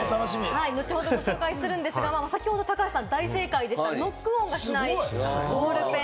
後ほどご紹介するんですが、先ほど高橋さん、大正解でした、ノック音がしないボールペン。